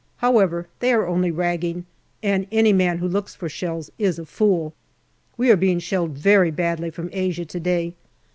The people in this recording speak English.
However, they are only ragging, and any man who looks for shells is a fool. We are being shelled very badly from Asia to day.